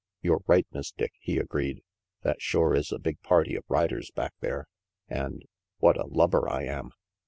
"You're right, Miss Dick," he agreed, "that shore is a big party of riders back there, and what a lubber I am!"